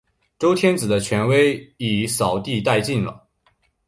周天子的权威已扫地殆尽了。